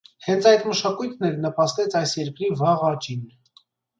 Հենց այդ մշակույթն էլ նպաստեց այս երկրի վաղ աճին։